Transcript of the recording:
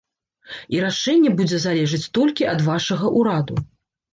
І рашэнне будзе залежыць толькі ад вашага ўраду.